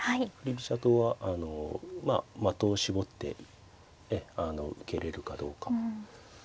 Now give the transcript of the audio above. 飛車党はあのまあ的を絞って受けれるかどうか。